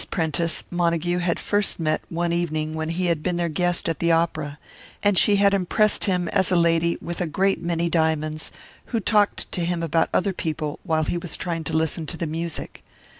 Prentice Montague had first met one evening when he had been their guest at the opera, and she had impressed him as a lady with a great many diamonds, who talked to him about other people while he was trying to listen to the music.